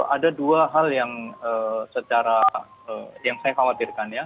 ada dua hal yang secara yang saya khawatirkan ya